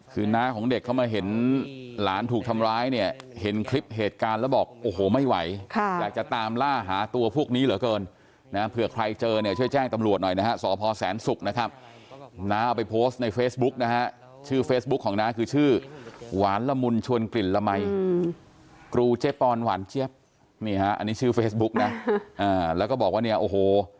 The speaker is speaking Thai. คือน้าของเด็กเข้ามาเห็นหลานถูกทำร้ายเนี่ยเห็นคลิปเหตุการณ์แล้วบอกโอ้โหไม่ไหวค่ะอยากจะตามล่าหาตัวพวกนี้เหรอเกินนะเพื่อใครเจอเนี่ยช่วยแจ้งตำรวจหน่อยนะฮะสพแสนศุกร์นะครับน้าเอาไปโพสต์ในเฟซบุ๊คนะฮะชื่อเฟซบุ๊คของน้าก็ชื่อหวานละมุนชวนกลิ่นละไมกรูเจ๊ปอนหวานเจี๊ยบนี่ฮ